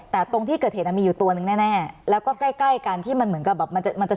แต่ตรงที่เกิดเหตุมีอยู่ตัวนึงแน่แล้วก็ใกล้ใกล้กันที่มันเหมือนกับแบบมันจะมันจะ